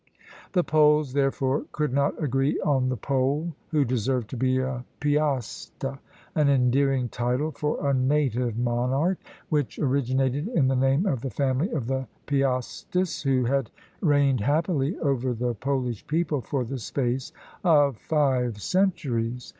The Poles therefore could not agree on the Pole who deserved to be a Piaste; an endearing title for a native monarch, which originated in the name of the family of the Piastis, who had reigned happily over the Polish people for the space of five centuries!